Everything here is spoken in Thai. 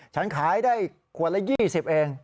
ฉันขายได้ขวดละ๒๐เอง